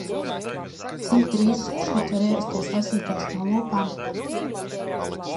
Cik drīz šeit var ierasties lasītājs no lūpām?